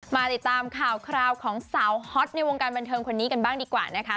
มาติดตามข่าวคราวของสาวฮอตในวงการบันเทิงคนนี้กันบ้างดีกว่านะคะ